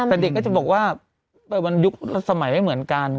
แต่เด็กก็จะบอกว่ามันยุคสมัยไม่เหมือนกัน